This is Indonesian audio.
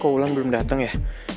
kau ulang belum dateng ya